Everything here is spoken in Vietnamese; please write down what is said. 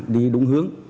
đi đúng hướng